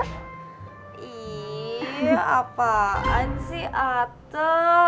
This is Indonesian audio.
ih apaan sih ate